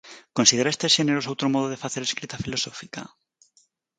Considera estes xéneros outro modo de facer escrita filosófica?